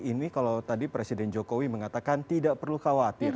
ini kalau tadi presiden jokowi mengatakan tidak perlu khawatir